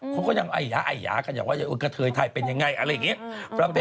คนก็ยังไอหยาไอหยากันอย่างว่าอย่างเกอร์เกอร์เทยถ่ายเป็นยังไงอะไรอย่างนี้